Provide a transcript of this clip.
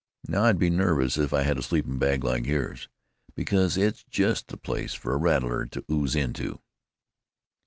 "Now, I'd be nervous if I had a sleepin' bag like yours, because it's just the place for a rattler to ooze into."